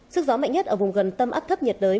sức gió mạnh nhất ở vùng gần tâm áp thấp nhiệt đới